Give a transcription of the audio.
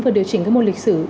vừa điều chỉnh cái môn lịch sử